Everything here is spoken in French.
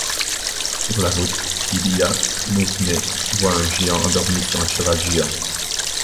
Sur la route, Ilya Mouromets voit un géant endormi sur un cheval géant.